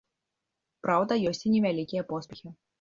Праўда, ёсць і невялікія поспехі.